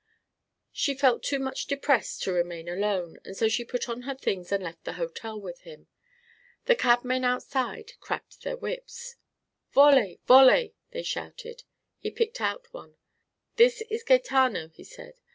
She felt too much depressed to remain alone; and so she put on her things and left the hotel with him. The cabmen outside cracked their whips: "Vole? Vole?" they shouted. He picked out one: "This is Gaetano," he said.